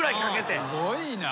すごいな。